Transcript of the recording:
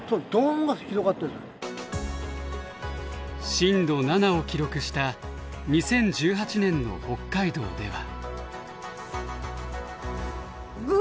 震度７を記録した２０１８年の北海道では。